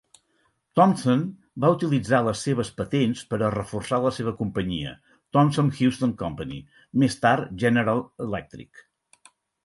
Thomson va utilitzar les seves patents per a reforçar la seva companyia, Thomson-Houston Company, més tard General Electric.